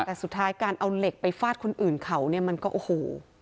แล้วสุดท้ายการเอาเหล็กไปฟาดคนอื่นเขามันก็โห